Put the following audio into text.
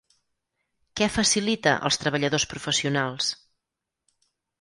Què facilita als treballadors professionals?